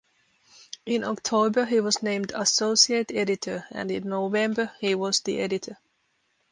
In October he was named associate editor, and in November he was the editor.